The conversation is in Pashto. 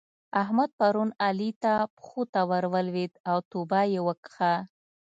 احمد پرون علي ته پښو ته ور ولېد او توبه يې وکښه.